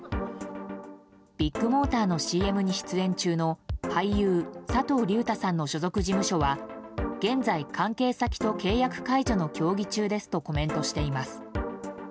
ビッグモーターのＣＭに出演中の俳優・佐藤隆太さんの所属事務所は現在、関係先と契約解除の協議中ですとコメントしています。